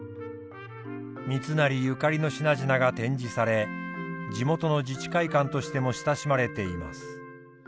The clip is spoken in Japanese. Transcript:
三成ゆかりの品々が展示され地元の自治会館としても親しまれています。